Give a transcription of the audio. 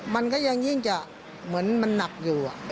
มันก็ยังยิ่งจะเหมือนมันหนักอยู่